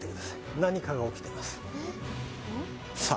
何かが起きてますさあ